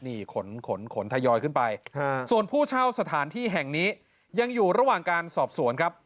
นี่ขนขนทยอยขึ้นไปส่วนผู้เช่าสถานที่แห่งนี้ยังอยู่ระหว่างการสอบสวนครับ